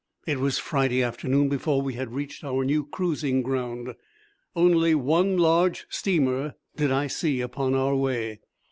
It was Friday afternoon before we had reached our new cruising ground. Only one large steamer did I see upon our way.